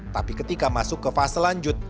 tapi ketika masuk ke fase lanjut